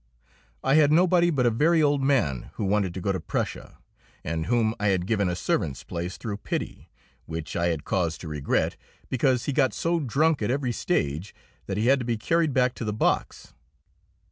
I had nobody but a very old man who wanted to go to Prussia, and whom I had given a servant's place through pity, which I had cause to regret, because he got so drunk at every stage that he had to be carried back to the box.